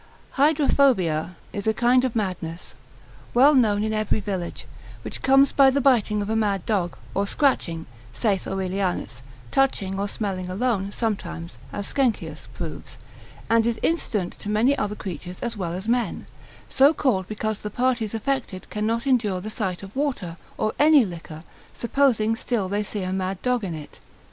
Hydrophobia is a kind of madness, well known in every village, which comes by the biting of a mad dog, or scratching, saith Aurelianus; touching, or smelling alone sometimes as Sckenkius proves, and is incident to many other creatures as well as men: so called because the parties affected cannot endure the sight of water, or any liquor, supposing still they see a mad dog in it.